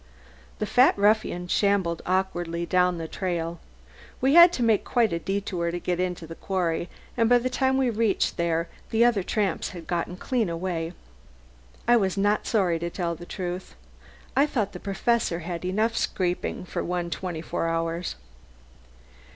The fat ruffian shambled awkwardly down the trail. We had to make quite a detour to get into the quarry, and by the time we reached there the other three tramps had got clean away. I was not sorry, to tell the truth. I thought the Professor had had enough scrapping for one twenty four hours.